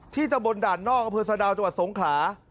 ที่จะบนด่านนอกเผื่อสะดาลเจาะสงขรา